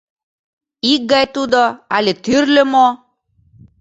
Икгай тудо але тÿрлö мо?